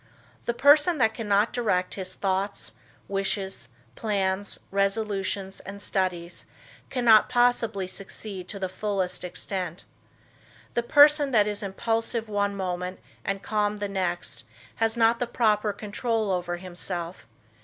The person that cannot direct his thoughts, wishes, plans, resolutions and studies cannot possibly succeed to the fullest extent. The person that is impulsive one moment and calm the next has not the proper control over himself.